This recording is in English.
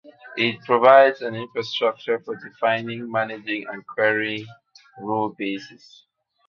It provides an infrastructure for defining, managing and querying rule bases.